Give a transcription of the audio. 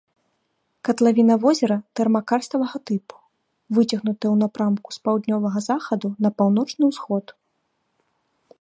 Катлавіна возера тэрмакарставага тыпу, выцягнутая ў напрамку з паўднёвага захаду на паўночны ўсход.